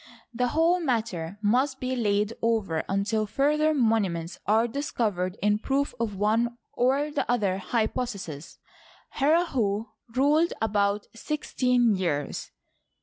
The whole matter must be laid over until further monuments are discovered in proof of one or the other hypothesis. Herihor ruled about sixteen years.